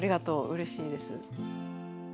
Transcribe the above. うれしいです。